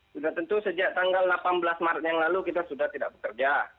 sudah tentu sejak tanggal delapan belas maret yang lalu kita sudah tidak bekerja